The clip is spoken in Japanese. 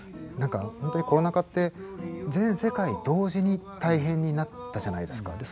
何かほんとにコロナ禍って全世界同時に大変になったじゃないですか。